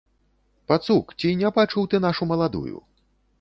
Пацук, ці не бачыў ты нашу маладую?